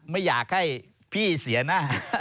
ไม่อยากให้พี่เสียหน้า